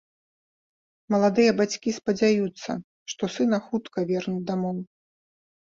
Маладыя бацькі спадзяюцца, што сына хутка вернуць дамоў.